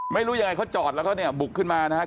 ไม่รู้อย่างไรเขาจอดแล้วก็บุกขึ้นมานะครับ